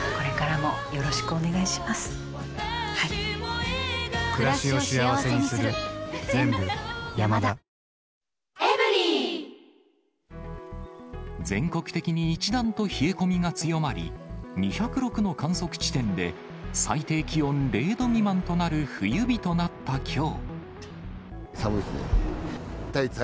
海面から湯気のようにもやが全国的に一段と冷え込みが強まり、２０６の観測地点で、最低気温０度未満となる冬日となったきょう。